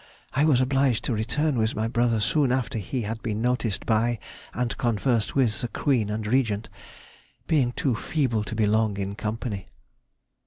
I was obliged to return with my brother soon after he had been noticed by and conversed with the Queen and Regent, being too feeble to be long in company.